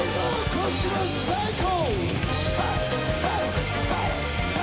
こっちも最高！